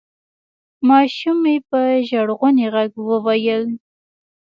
ماشومې په ژړغوني غږ وویل: